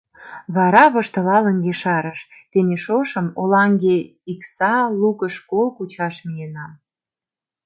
Вара воштылалын ешарыш: — Тений шошым Олаҥге икса лукыш кол кучаш миенам.